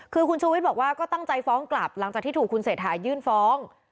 คือคุณชูวิทย์บอกว่าก็ตั้งใจฟ้องกลับหลังจากที่ถูกคุณเศรษฐายื่นฟ้อง